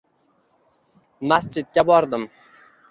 Masjidga bordim